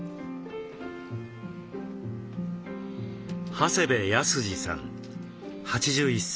長谷部泰司さん８１歳。